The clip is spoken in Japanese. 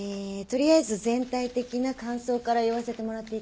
取りあえず全体的な感想から言わせてもらっていいかな？